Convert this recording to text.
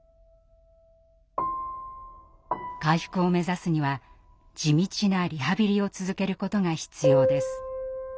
回復を目指すには地道なリハビリを続けることが必要です。